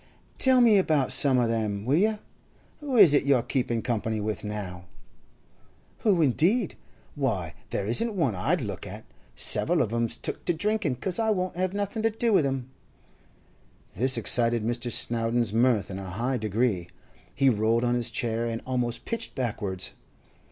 'Tell me about some o' them, will you? Who is it you're keeping company with now?' 'Who, indeed? Why, there isn't one I'd look at! Several of 'em's took to drinking 'cause I won't have nothing to do with 'em.' This excited Mr. Snowdon's mirth in a high degree; he rolled on his chair, and almost pitched backwards.